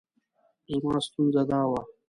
زما ستونزه دا وه.